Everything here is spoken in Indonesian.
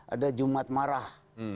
ada jumat marah